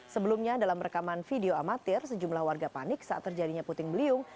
sebelumnya dalam rekaman video amatir sejumlah warga panik saat terjadinya puting beliung